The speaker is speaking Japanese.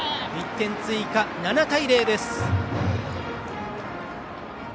１点追加、７対０です。